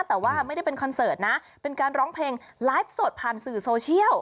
แต่ว่าไม่ได้เป็นคอนเสิร์ตนะเป็นการร้องเพลงไลฟ์สดผ่านสื่อโซเชียล